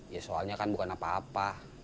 ya soalnya kan bukan apa apa